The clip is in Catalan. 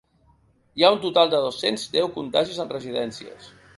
Hi ha un total de dos-cents deu contagis en residències.